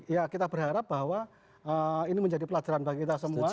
ya kita berharap bahwa ini menjadi pelajaran bagi kita semua